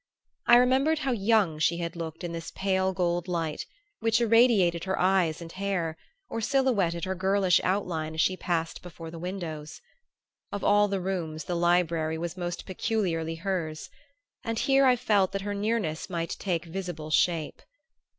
I remembered how young she had looked in this pale gold light, which irradiated her eyes and hair, or silhouetted her girlish outline as she passed before the windows. Of all the rooms the library was most peculiarly hers; and here I felt that her nearness might take visible shape.